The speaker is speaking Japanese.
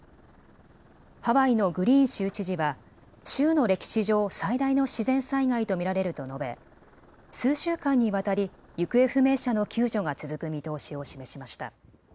ハワイのグリーン州知事は州の歴史上最大の自然災害と見られると述べ、数週間にわたり行方不明者の救助が続く見通しを示しました。